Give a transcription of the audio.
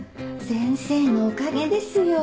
先生のおかげですよ。